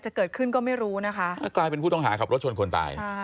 ไปเป็นว่ากลายเป็นผู้ท้องหาขับรถชนคนตาย